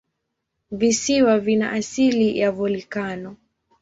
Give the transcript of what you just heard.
Visiwa vina asili ya volikano.